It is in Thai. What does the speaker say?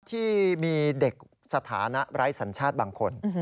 ที่มีเด็กสถานะไร้สัญชาติบางคน